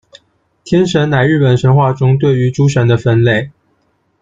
天神乃日本神话中对于诸神的分类。